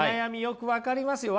よく分かりますよ。